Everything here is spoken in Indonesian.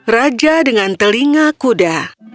raja dengan telinga kuda